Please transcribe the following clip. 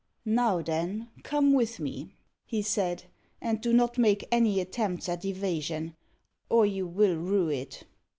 "Now then, come with me," he said, "and do not make any attempt at evasion, or you will rue it."